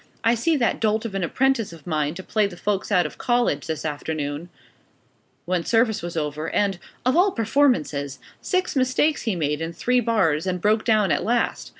"I set that dolt of an apprentice of mine to play the folks out of college, this afternoon, when service was over, and of all performances! Six mistakes he made in three bars, and broke down at last.